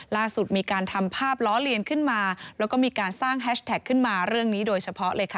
ล่าสุดมีการทำภาพล้อเลียนขึ้นมาแล้วก็มีการสร้างแฮชแท็กขึ้นมาเรื่องนี้โดยเฉพาะเลยค่ะ